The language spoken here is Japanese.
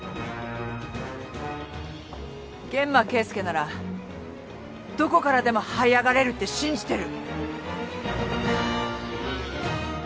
諫間慶介ならどこからでもはい上がれるって信じてる。